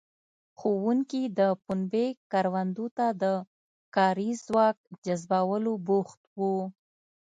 ښوونکي د پنبې کروندو ته د کاري ځواک جذبولو بوخت وو.